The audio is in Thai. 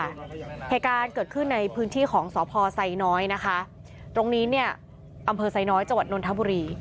เหตุการณ์เกิดขึ้นในพื้นที่ของสพไซน้อยตรงนี้อำเภอไซน้อยจนนทบุรี